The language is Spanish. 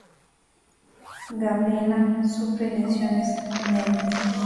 Gabriella sufre lesiones leves.